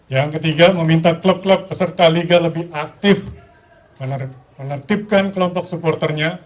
yang ketiga meminta klub klub peserta liga lebih aktif menertibkan kelompok supporternya